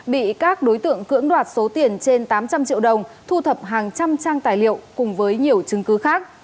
bị các đối tượng cưỡng đoạt số tiền trên tám trăm linh triệu đồng thu thập hàng trăm trang tài liệu cùng với nhiều chứng cứ khác